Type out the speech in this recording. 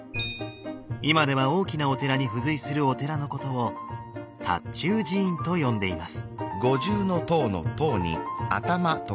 今では大きなお寺に付随するお寺のことを塔頭寺院と呼んでいます。